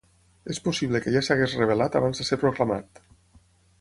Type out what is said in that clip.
És possible que ja s'hagués rebel·lat abans de ser proclamat.